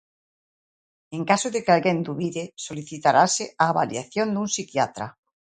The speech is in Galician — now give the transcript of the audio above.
En caso de que algún dubide, solicitarase a avaliación dun psiquiatra.